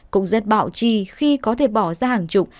cũng rất bạo chi khi có thể bỏ ra hàng chục